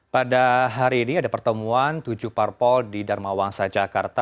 pada hari ini ada pertemuan tujuh parpol di dharma wangsa jakarta